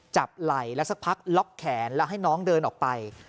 ไหล่แล้วสักพักล็อกแขนแล้วให้น้องเดินออกไป